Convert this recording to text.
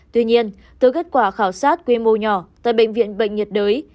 tuy nhiên từ kết quả khảo sát quy mô nhỏ tại bệnh viện bệnh nhiệt đới